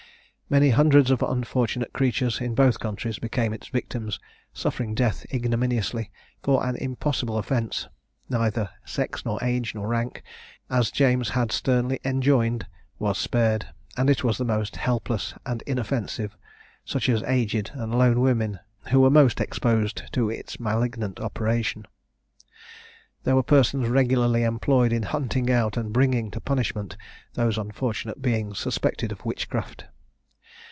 Many hundreds of unfortunate creatures, in both countries, became its victims, suffering death ignominiously, for an impossible offence: neither sex, nor age, nor rank, as James had sternly enjoined, was spared; and it was the most helpless and inoffensive, such as aged and lone women, who were most exposed to its malignant operation. There were persons regularly employed in hunting out, and bringing to punishment, those unfortunate beings suspected of witchcraft.